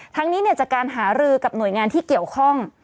ทั้งนี้จากการหารือกับหน่วยงานที่เกี่ยวข้อง